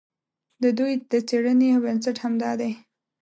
د دوی د څېړنې بنسټ همدا دی.